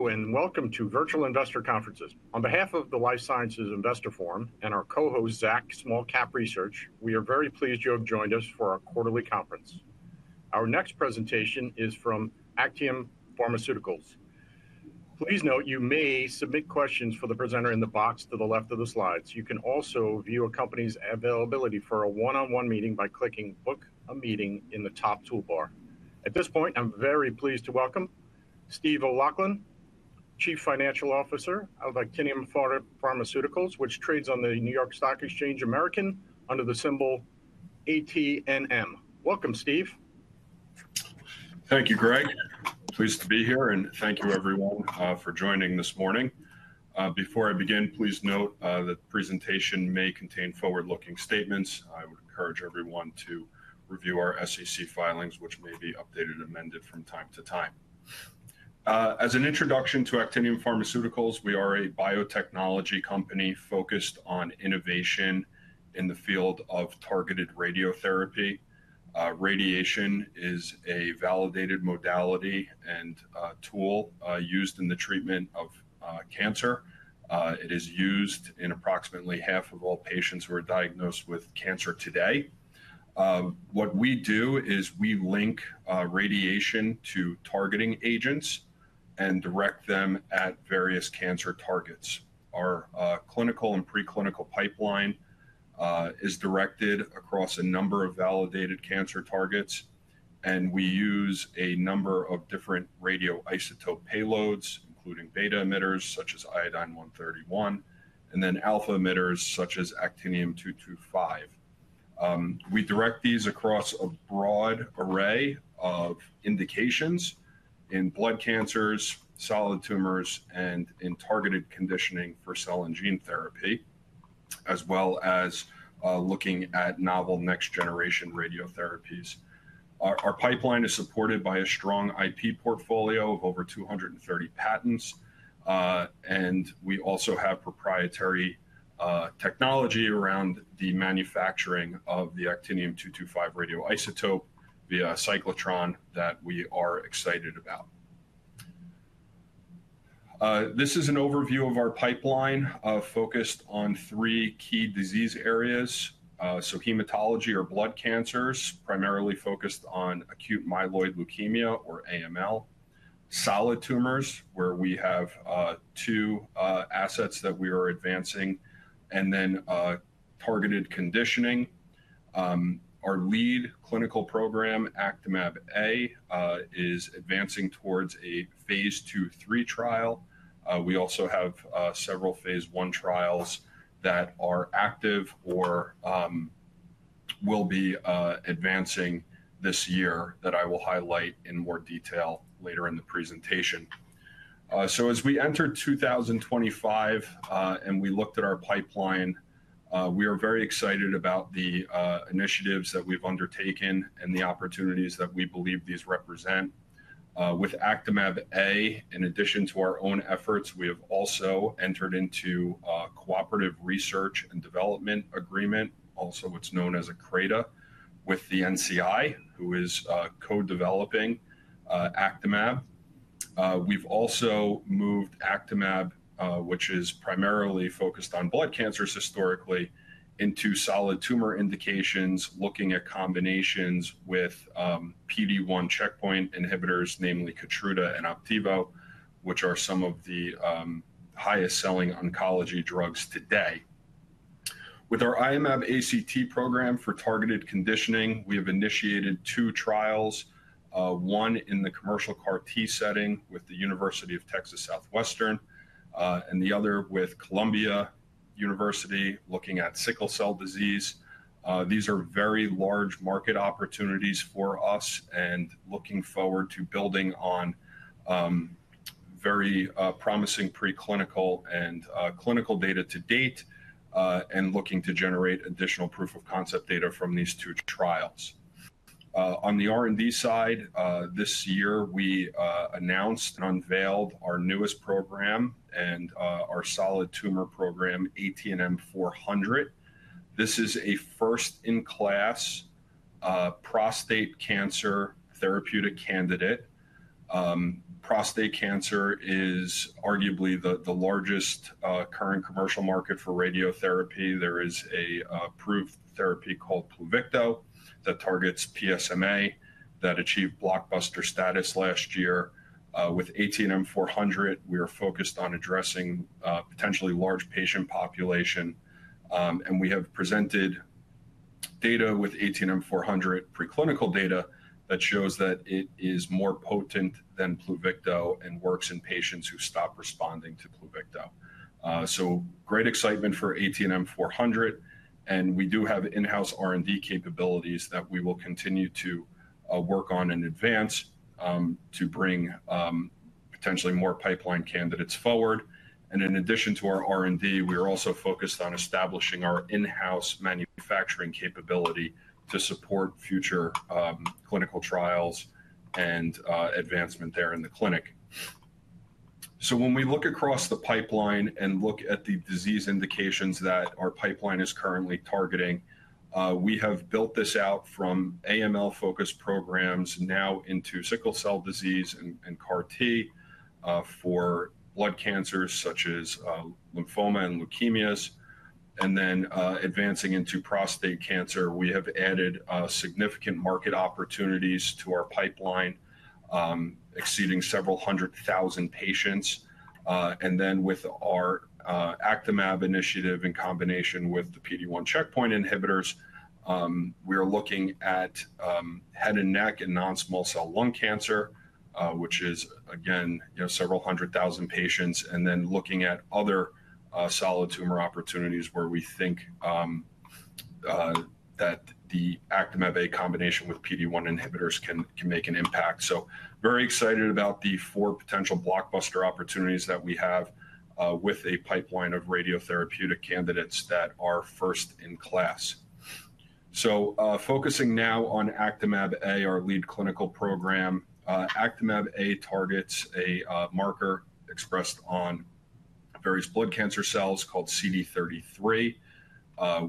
Welcome to Virtual Investor Conferences. On behalf of the Life Sciences Investor Forum and our co-host, Zach Small Cap Research, we are very pleased you have joined us for our quarterly conference. Our next presentation is from Actinium Pharmaceuticals. Please note you may submit questions for the presenter in the box to the left of the slides. You can also view a company's availability for a one-on-one meeting by clicking "Book a Meeting" in the top toolbar. At this point, I'm very pleased to welcome Steve O'Loughlin, Chief Financial Officer of Actinium Pharmaceuticals, which trades on the New York Stock Exchange American under the symbol ATNM. Welcome, Steve. Thank you, Greg. Pleased to be here, and thank you, everyone, for joining this morning. Before I begin, please note that the presentation may contain forward-looking statements. I would encourage everyone to review our SEC filings, which may be updated and amended from time to time. As an introduction to Actinium Pharmaceuticals, we are a biotechnology company focused on innovation in the field of targeted radiotherapy. Radiation is a validated modality and tool used in the treatment of cancer. It is used in approximately half of all patients who are diagnosed with cancer today. What we do is we link radiation to targeting agents and direct them at various cancer targets. Our clinical and preclinical pipeline is directed across a number of validated cancer targets, and we use a number of different radioisotope payloads, including beta emitters such as iodine-131 and then alpha emitters such as Actinium-225. We direct these across a broad array of indications in blood cancers, solid tumors, and in targeted conditioning for cell and gene therapy, as well as looking at novel next-generation radiotherapies. Our pipeline is supported by a strong IP portfolio of over 230 patents, and we also have proprietary technology around the manufacturing of the Actinium-225 radioisotope via cyclotron that we are excited about. This is an overview of our pipeline focused on three key disease areas. Hematology or blood cancers, primarily focused on acute myeloid leukemia or AML; solid tumors, where we have two assets that we are advancing; and then targeted conditioning. Our lead clinical program, Actimab-A, is advancing towards a phase II-III trial. We also have several phase I trials that are active or will be advancing this year that I will highlight in more detail later in the presentation. As we enter 2025 and we looked at our pipeline, we are very excited about the initiatives that we've undertaken and the opportunities that we believe these represent. With Actimab-A, in addition to our own efforts, we have also entered into a cooperative research and development agreement, also what's known as a CRADA, with the NCI, who is co-developing Actimab-A. We've also moved Actimab-A, which is primarily focused on blood cancers historically, into solid tumor indications, looking at combinations with PD-1 checkpoint inhibitors, namely KEYTRUDA and OPDIVO, which are some of the highest-selling oncology drugs today. With our Iomab-ACT program for targeted conditioning, we have initiated two trials, one in the commercial CAR-T setting with the University of Texas Southwestern and the other with Columbia University looking at sickle cell disease. These are very large market opportunities for us and looking forward to building on very promising preclinical and clinical data to date and looking to generate additional proof of concept data from these two trials. On the R&D side, this year, we announced and unveiled our newest program and our solid tumor program, ATNM-400. This is a first-in-class prostate cancer therapeutic candidate. Prostate cancer is arguably the largest current commercial market for radiotherapy. There is a proof therapy called PLUVICTO that targets PSMA that achieved blockbuster status last year. With ATNM-400, we are focused on addressing potentially large patient population, and we have presented data with ATNM-400 preclinical data that shows that it is more potent than PLUVICTO and works in patients who stop responding to PLUVICTO. Great excitement for ATNM-400, and we do have in-house R&D capabilities that we will continue to work on in advance to bring potentially more pipeline candidates forward. In addition to our R&D, we are also focused on establishing our in-house manufacturing capability to support future clinical trials and advancement there in the clinic. When we look across the pipeline and look at the disease indications that our pipeline is currently targeting, we have built this out from AML-focused programs now into sickle cell disease and CAR-T for blood cancers such as lymphoma and leukemias, and then advancing into prostate cancer. We have added significant market opportunities to our pipeline, exceeding several 100,000 patients. With our Actimab-A initiative in combination with the PD-1 checkpoint inhibitors, we are looking at head and neck and non-small cell lung cancer, which is, again, several 100,000 patients, and then looking at other solid tumor opportunities where we think that the Actimab-A combination with PD-1 inhibitors can make an impact. Very excited about the four potential blockbuster opportunities that we have with a pipeline of radiotherapeutic candidates that are first in class. Focusing now on Actimab-A, our lead clinical program, Actimab-A targets a marker expressed on various blood cancer cells called CD33.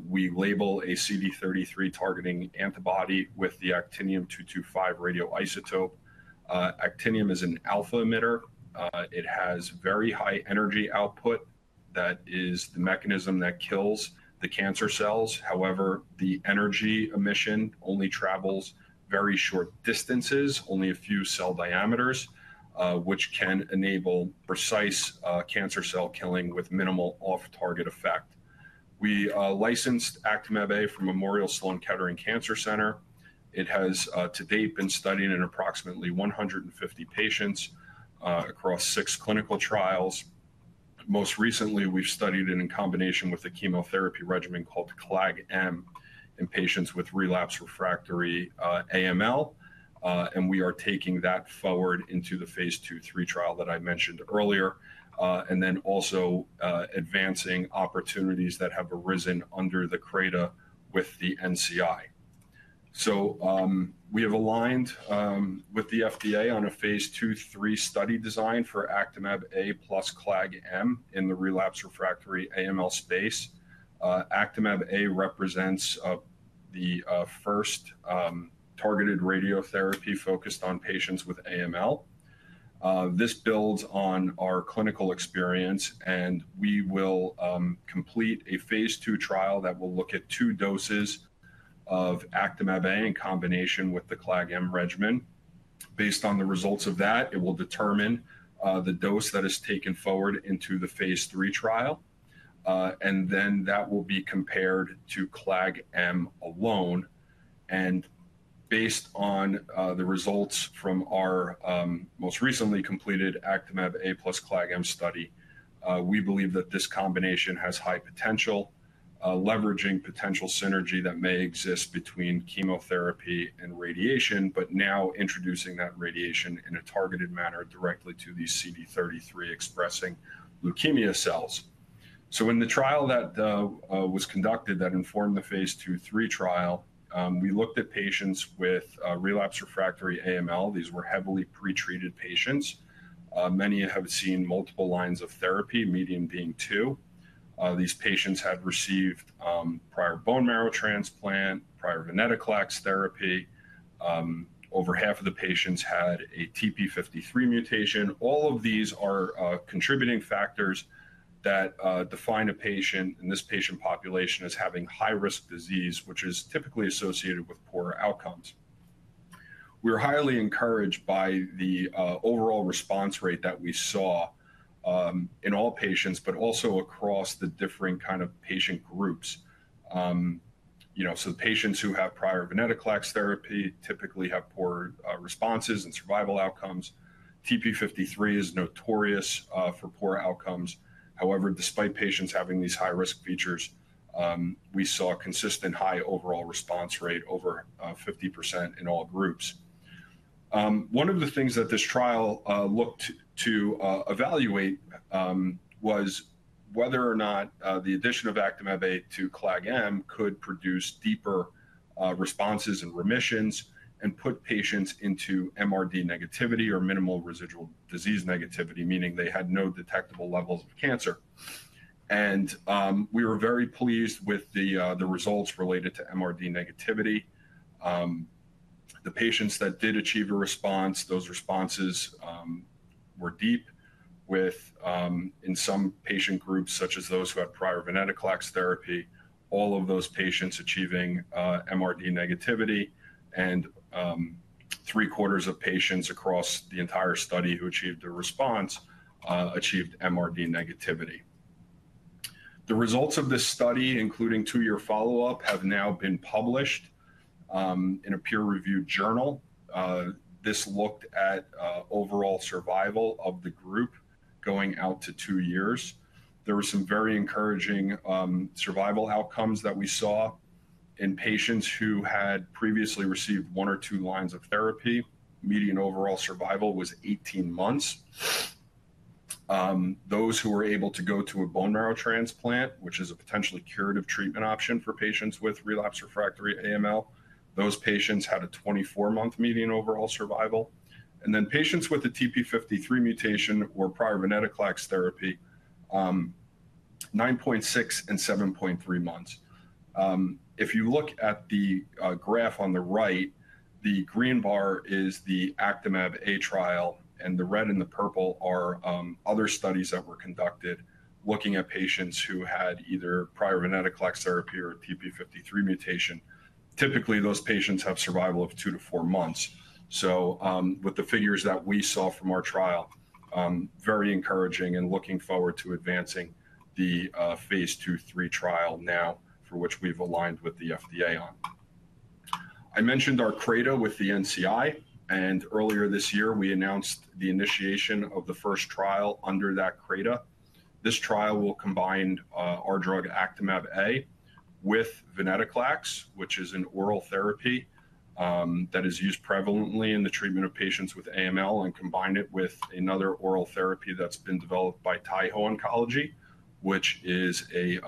We label a CD33-targeting antibody with the Actinium-225 radioisotope. Actinium is an alpha emitter. It has very high energy output. That is the mechanism that kills the cancer cells. However, the energy emission only travels very short distances, only a few cell diameters, which can enable precise cancer cell killing with minimal off-target effect. We licensed Actimab-A from Memorial Sloan Kettering Cancer Center. It has, to date, been studied in approximately 150 patients across six clinical trials. Most recently, we've studied it in combination with a chemotherapy regimen called CLAG-M in patients with relapsed refractory AML, and we are taking that forward into the phase II-III trial that I mentioned earlier, and then also advancing opportunities that have arisen under the CRADA with the NCI. We have aligned with the FDA on a phase II-III study design for Actimab-A plus CLAG-M in the relapsed refractory AML space. Actimab-A represents the first targeted radiotherapy focused on patients with AML. This builds on our clinical experience, and we will complete a phase II trial that will look at two doses of Actimab-A in combination with the CLAG-M regimen. Based on the results of that, it will determine the dose that is taken forward into the phase III trial, and then that will be compared to CLAG-M alone. Based on the results from our most recently completed Actimab-A plus CLAG-M study, we believe that this combination has high potential, leveraging potential synergy that may exist between chemotherapy and radiation, but now introducing that radiation in a targeted manner directly to these CD33-expressing leukemia cells. In the trial that was conducted that informed the phase II-III trial, we looked at patients with relapsed refractory AML. These were heavily pretreated patients. Many have seen multiple lines of therapy, median being two. These patients had received prior bone marrow transplant, prior venetoclax therapy. Over half of the patients had a TP53 mutation. All of these are contributing factors that define a patient in this patient population as having high-risk disease, which is typically associated with poor outcomes. We are highly encouraged by the overall response rate that we saw in all patients, but also across the differing kind of patient groups. Patients who have prior venetoclax therapy typically have poor responses and survival outcomes. TP53 is notorious for poor outcomes. However, despite patients having these high-risk features, we saw consistent high overall response rate, over 50% in all groups. One of the things that this trial looked to evaluate was whether or not the addition of Actimab-A to CLAG-M could produce deeper responses and remissions and put patients into MRD negativity or minimal residual disease negativity, meaning they had no detectable levels of cancer. We were very pleased with the results related to MRD negativity. The patients that did achieve a response, those responses were deep, with, in some patient groups, such as those who had prior venetoclax therapy, all of those patients achieving MRD negativity, and three-quarters of patients across the entire study who achieved a response achieved MRD negativity. The results of this study, including two-year follow-up, have now been published in a peer-reviewed journal. This looked at overall survival of the group going out to two years. There were some very encouraging survival outcomes that we saw in patients who had previously received one or two lines of therapy. Median overall survival was 18 months. Those who were able to go to a bone marrow transplant, which is a potentially curative treatment option for patients with relapsed refractory AML, those patients had a 24-month median overall survival. Then patients with a TP53 mutation or prior venetoclax therapy, 9.6 and 7.3 months. If you look at the graph on the right, the green bar is the Actimab-A trial, and the red and the purple are other studies that were conducted looking at patients who had either prior venetoclax therapy or TP53 mutation. Typically, those patients have survival of two to four months. With the figures that we saw from our trial, very encouraging and looking forward to advancing the phase II-III trial now, for which we've aligned with the FDA on. I mentioned our CRADA with the NCI, and earlier this year, we announced the initiation of the first trial under that CRADA. This trial will combine our drug Actimab-A with venetoclax, which is an oral therapy that is used prevalently in the treatment of patients with AML, and combine it with another oral therapy that's been developed by Taiho Oncology, which is a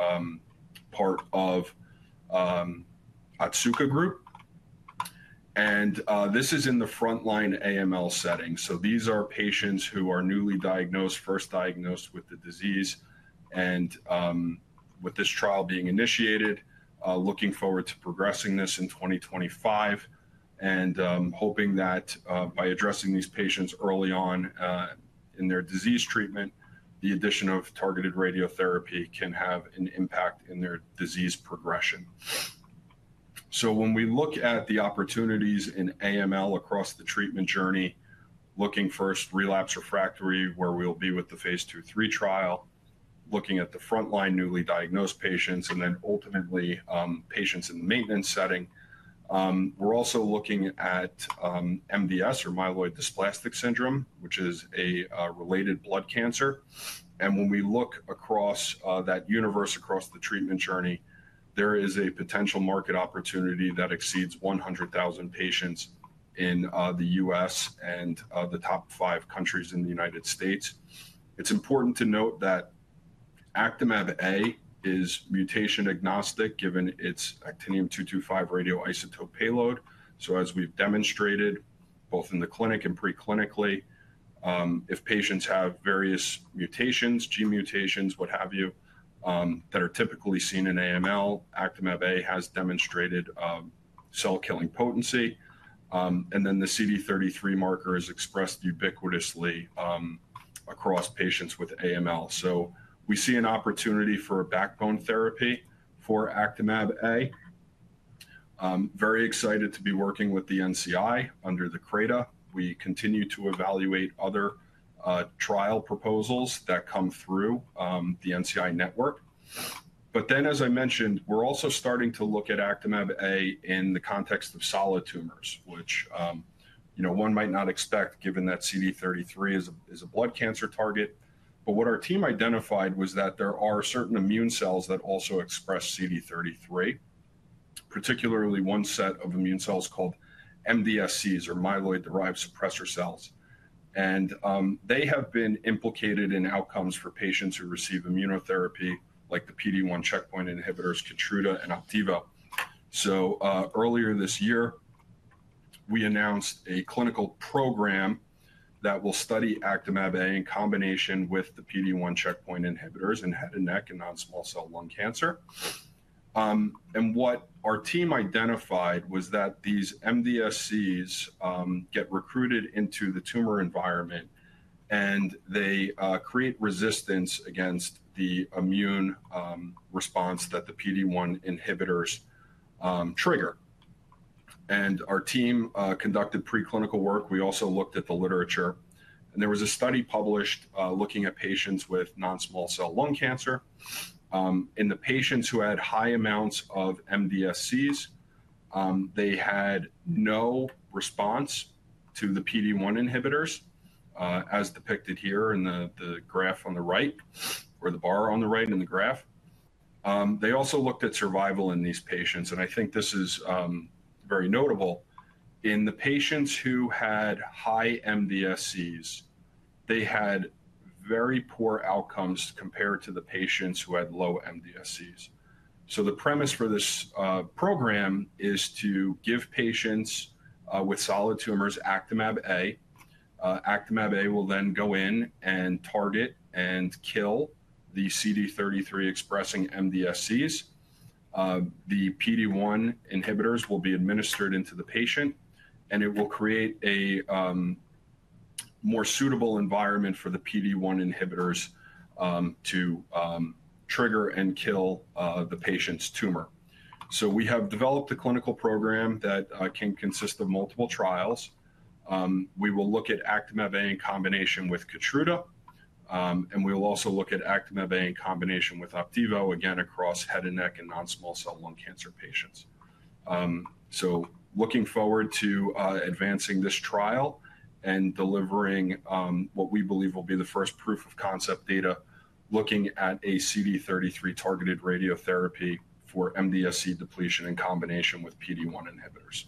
part of Otsuka Group. This is in the frontline AML setting. These are patients who are newly diagnosed, first diagnosed with the disease, and with this trial being initiated, looking forward to progressing this in 2025 and hoping that by addressing these patients early on in their disease treatment, the addition of targeted radiotherapy can have an impact in their disease progression. When we look at the opportunities in AML across the treatment journey, looking first at relapse refractory, where we'll be with the phase II-III trial, looking at the frontline newly diagnosed patients, and then ultimately patients in the maintenance setting. We're also looking at MDS, or myelodysplastic syndrome, which is a related blood cancer. When we look across that universe, across the treatment journey, there is a potential market opportunity that exceeds 100,000 patients in the U.S. and the top five countries in the United States. It's important to note that Actimab-A is mutation agnostic, given its Actinium-225 radioisotope payload. So, as we've demonstrated both in the clinic and preclinically, if patients have various mutations, gene mutations, what have you, that are typically seen in AML, Actimab-A has demonstrated cell-killing potency. And then the CD33 marker is expressed ubiquitously across patients with AML. So, we see an opportunity for a backbone therapy for Actimab-A. Very excited to be working with the NCI under the CRADA. We continue to evaluate other trial proposals that come through the NCI network. But then, as I mentioned, we're also starting to look at Actimab-A in the context of solid tumors, which one might not expect, given that CD33 is a blood cancer target. What our team identified was that there are certain immune cells that also express CD33, particularly one set of immune cells called MDSCs, or myeloid-derived suppressor cells. They have been implicated in outcomes for patients who receive immunotherapy, like the PD-1 checkpoint inhibitors, KEYTRUDA and OPDIVO. Earlier this year, we announced a clinical program that will study Actimab-A in combination with the PD-1 checkpoint inhibitors in head and neck and non-small cell lung cancer. What our team identified was that these MDSCs get recruited into the tumor environment, and they create resistance against the immune response that the PD-1 inhibitors trigger. Our team conducted preclinical work. We also looked at the literature. There was a study published looking at patients with non-small cell lung cancer. In the patients who had high amounts of MDSCs, they had no response to the PD-1 inhibitors, as depicted here in the graph on the right, or the bar on the right in the graph. They also looked at survival in these patients. I think this is very notable. In the patients who had high MDSCs, they had very poor outcomes compared to the patients who had low MDSCs. The premise for this program is to give patients with solid tumors Actimab-A. Actimab-A will then go in and target and kill the CD33-expressing MDSCs. The PD-1 inhibitors will be administered into the patient, and it will create a more suitable environment for the PD-1 inhibitors to trigger and kill the patient's tumor. We have developed a clinical program that can consist of multiple trials. We will look at Actimab-A in combination with KEYTRUDA, and we will also look at Actimab-A in combination with OPDIVO, again, across head and neck and non-small cell lung cancer patients. Looking forward to advancing this trial and delivering what we believe will be the first proof-of-concept data, looking at a CD33-targeted radiotherapy for MDSC depletion in combination with PD-1 inhibitors.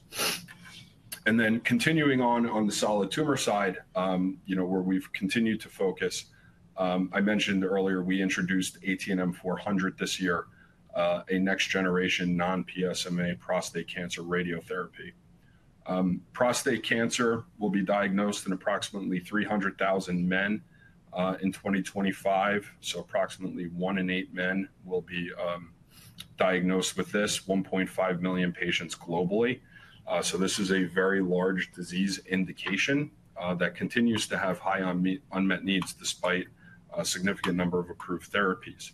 Then continuing on the solid tumor side, where we've continued to focus, I mentioned earlier we introduced ATNM-400 this year, a next-generation non-PSMA prostate cancer radiotherapy. Prostate cancer will be diagnosed in approximately 300,000 men in 2025. Approximately one in eight men will be diagnosed with this, 1.5 million patients globally. This is a very large disease indication that continues to have high unmet needs despite a significant number of approved therapies.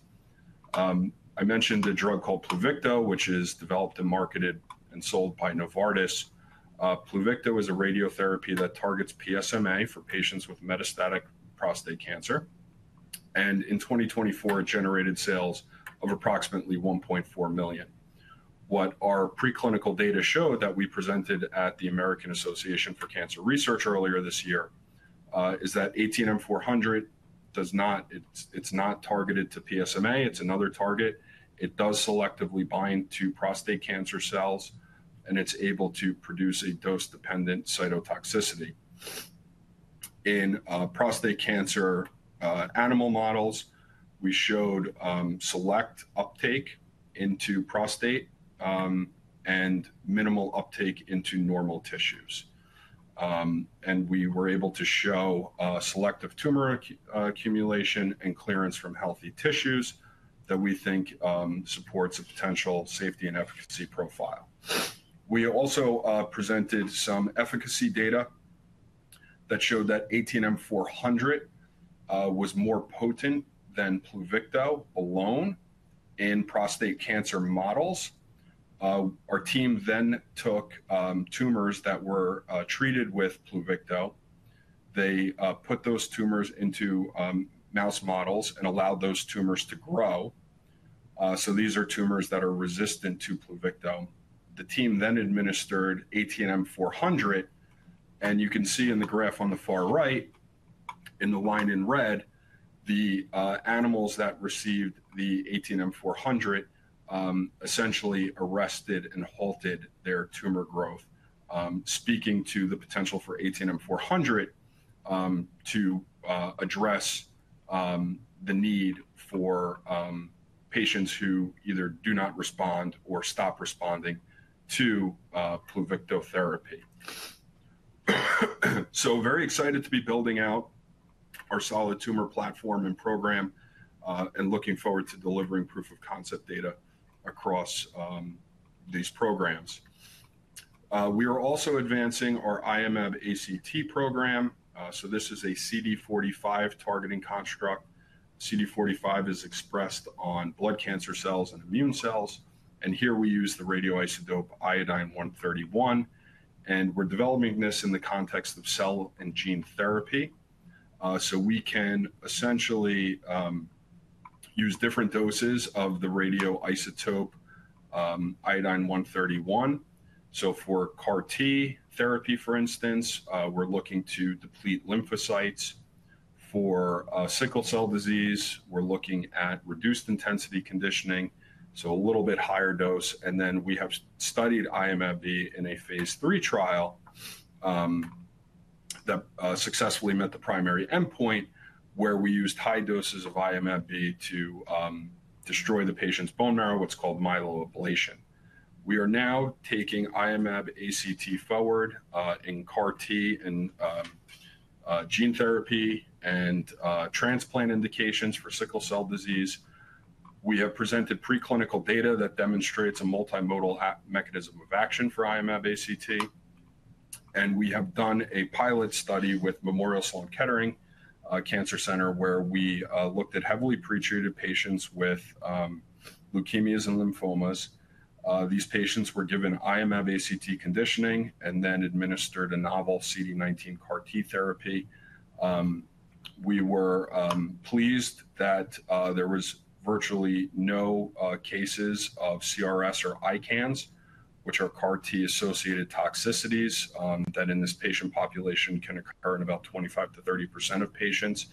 I mentioned a drug called PLUVICTO, which is developed and marketed and sold by Novartis. PLUVICTO is a radiotherapy that targets PSMA for patients with metastatic prostate cancer. In 2024, it generated sales of approximately $1.4 million. What our preclinical data showed that we presented at the American Association for Cancer Research earlier this year is that ATNM-400 does not, it's not targeted to PSMA. It's another target. It does selectively bind to prostate cancer cells, and it's able to produce a dose-dependent cytotoxicity. In prostate cancer animal models, we showed select uptake into prostate and minimal uptake into normal tissues. We were able to show selective tumor accumulation and clearance from healthy tissues that we think supports a potential safety and efficacy profile. We also presented some efficacy data that showed that ATNM-400 was more potent than PLUVICTO alone in prostate cancer models. Our team then took tumors that were treated with PLUVICTO. They put those tumors into mouse models and allowed those tumors to grow. These are tumors that are resistant to PLUVICTO. The team then administered ATNM-400. You can see in the graph on the far right, in the line in red, the animals that received the ATNM-400 essentially arrested and halted their tumor growth, speaking to the potential for ATNM-400 to address the need for patients who either do not respond or stop responding to PLUVICTO therapy. Very excited to be building out our solid tumor platform and program and looking forward to delivering proof-of-concept data across these programs. We are also advancing our Iomab-ACT program. This is a CD45 targeting construct. CD45 is expressed on blood cancer cells and immune cells. Here we use the radioisotope iodine-131. We are developing this in the context of cell and gene therapy. We can essentially use different doses of the radioisotope iodine-131. For CAR-T therapy, for instance, we are looking to deplete lymphocytes. For sickle cell disease, we are looking at reduced-intensity conditioning, so a little bit higher dose. We have studied Iomab-B in a phase III trial that successfully met the primary endpoint, where we used high doses of Iomab-B to destroy the patient's bone marrow, what is called myeloablation. We are now taking Iomab-ACT forward in CAR-T and gene therapy and transplant indications for sickle cell disease. We have presented preclinical data that demonstrates a multimodal mechanism of action for Iomab-ACT. We have done a pilot study with Memorial Sloan Kettering Cancer Center, where we looked at heavily pretreated patients with leukemias and lymphomas. These patients were given Iomab-ACT conditioning and then administered a novel CD19 CAR-T therapy. We were pleased that there were virtually no cases of CRS or ICANS, which are CAR-T-associated toxicities that in this patient population can occur in about 25%-30% of patients.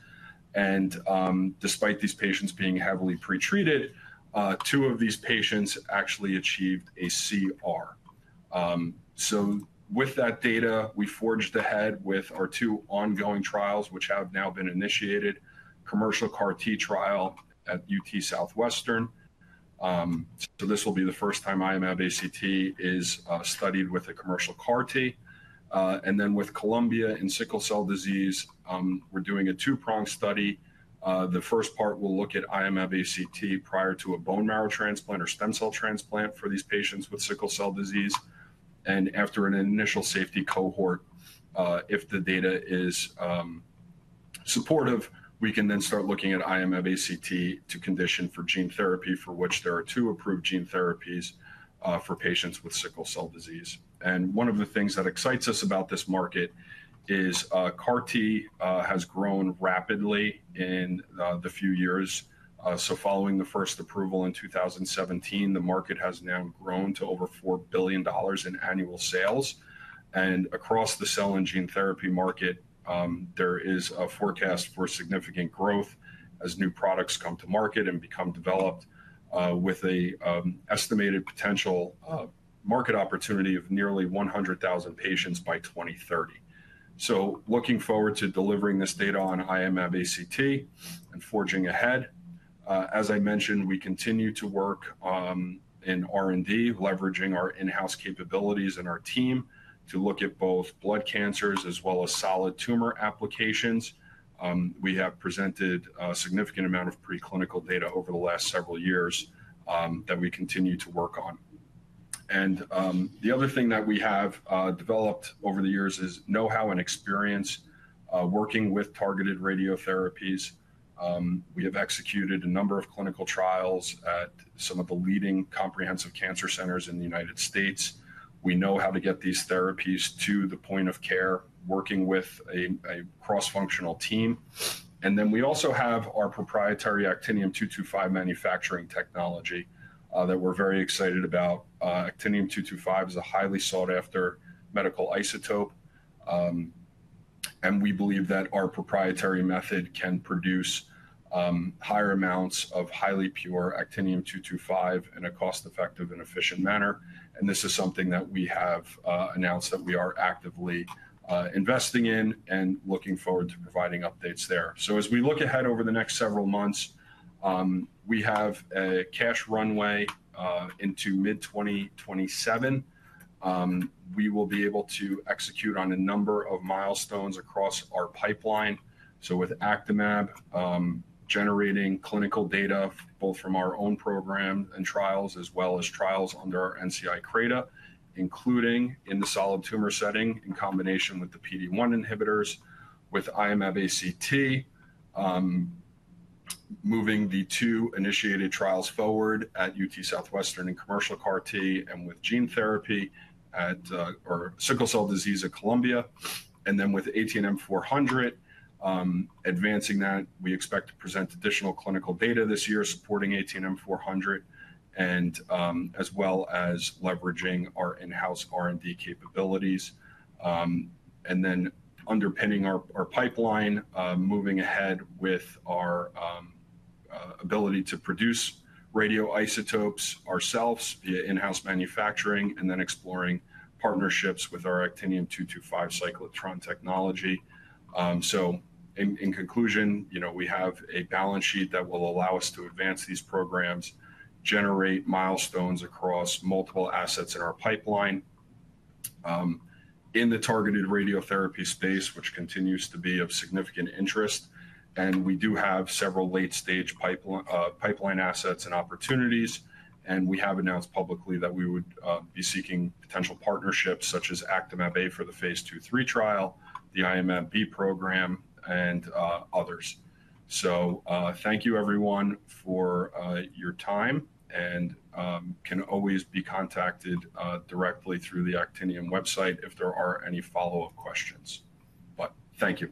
Despite these patients being heavily pretreated, two of these patients actually achieved a CR. With that data, we forged ahead with our two ongoing trials, which have now been initiated, commercial CAR-T trial at UT Southwestern. This will be the first time Iomab-ACT is studied with a commercial CAR-T. With Columbia in sickle cell disease, we're doing a two-prong study. The first part will look at Iomab-ACT prior to a bone marrow transplant or stem cell transplant for these patients with sickle cell disease. After an initial safety cohort, if the data is supportive, we can then start looking at Iomab-ACT to condition for gene therapy, for which there are two approved gene therapies for patients with sickle cell disease. One of the things that excites us about this market is CAR-T has grown rapidly in the few years. Following the first approval in 2017, the market has now grown to over $4 billion in annual sales. Across the cell and gene therapy market, there is a forecast for significant growth as new products come to market and become developed, with an estimated potential market opportunity of nearly 100,000 patients by 2030. Looking forward to delivering this data on Iomab-ACT and forging ahead. As I mentioned, we continue to work in R&D, leveraging our in-house capabilities and our team to look at both blood cancers as well as solid tumor applications. We have presented a significant amount of preclinical data over the last several years that we continue to work on. The other thing that we have developed over the years is know-how and experience working with targeted radiotherapies. We have executed a number of clinical trials at some of the leading comprehensive cancer centers in the United States. We know how to get these therapies to the point of care, working with a cross-functional team. We also have our proprietary Actinium-225 manufacturing technology that we're very excited about. Actinium-225 is a highly sought-after medical isotope. We believe that our proprietary method can produce higher amounts of highly pure Actinium-225 in a cost-effective and efficient manner. This is something that we have announced that we are actively investing in and looking forward to providing updates there. As we look ahead over the next several months, we have a cash runway into mid-2027. We will be able to execute on a number of milestones across our pipeline. With Actimab-A generating clinical data, both from our own program and trials, as well as trials under our NCI CRADA, including in the solid tumor setting in combination with the PD-1 inhibitors, with Iomab-ACT, moving the two initiated trials forward at UT Southwestern in commercial CAR-T and with gene therapy at sickle cell disease at Columbia. With ATNM-400, advancing that, we expect to present additional clinical data this year supporting ATNM-400, as well as leveraging our in-house R&D capabilities. Then underpinning our pipeline, moving ahead with our ability to produce radioisotopes ourselves via in-house manufacturing, and exploring partnerships with our Actinium-225 cyclotron technology. In conclusion, we have a balance sheet that will allow us to advance these programs, generate milestones across multiple assets in our pipeline in the targeted radiotherapy space, which continues to be of significant interest. We do have several late-stage pipeline assets and opportunities. We have announced publicly that we would be seeking potential partnerships, such as Actimab-A for the phase II-III trial, the Iomab-B program, and others. Thank you, everyone, for your time. You can always be contacted directly through the Actinium website if there are any follow-up questions. Thank you.